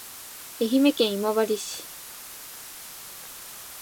愛媛県今治市